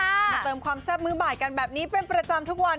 มาเติมความแซ่บมื้อบ่ายกันแบบนี้เป็นประจำทุกวัน